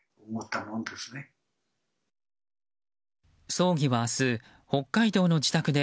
葬儀は明日、北海道の自宅で